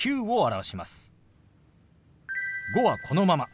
「５」はこのまま。